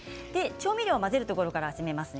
調味料を混ぜるところから始めますね。